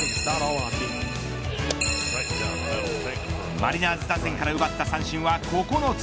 マリナーズ打線から奪った三振は９つ。